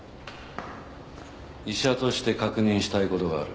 医者として確認したい事がある。